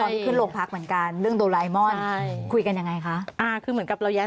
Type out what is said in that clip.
ที่ขึ้นโรงพักเหมือนกันเรื่องโดไลมอนใช่คุยกันยังไงคะอ่าคือเหมือนกับเราย้าย